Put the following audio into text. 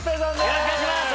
よろしくお願いします！